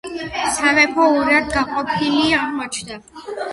სამეფო ორად გაყოფილი აღმოჩნდა.